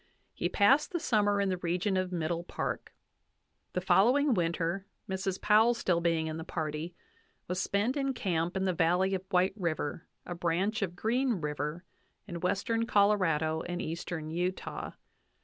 He passed the summer in the region of Middle Park. The follow ing winter, Mrs. Powell still being in the party, was spent in camp in the valley of White River, a branch of Green River, in western Colorado and eastern Utah.